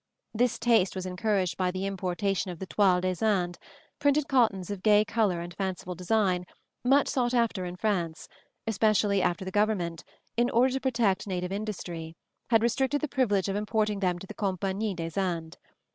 This taste was encouraged by the importation of the toiles des Indes, printed cottons of gay color and fanciful design, much sought after in France, especially after the government, in order to protect native industry, had restricted the privilege of importing them to the Compagnie des Indes.